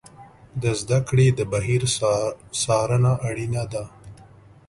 د زده کړې د بهیر څارنه اړینه ده.